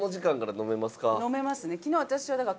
飲めますね。